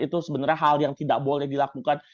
itu sebenarnya hal yang tidak boleh dilakukan